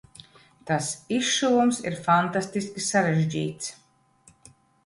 Tas izšuvums ir fantastiski sarežģīts.